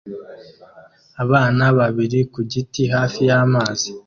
Abana babiri ku giti hafi y'amazi